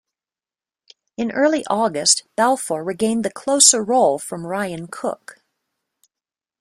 In early August, Balfour regained the closer role from Ryan Cook.